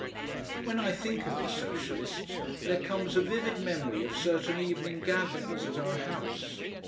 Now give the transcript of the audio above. When I think of the Socialists there comes a vivid memory of certain evening gatherings at our house....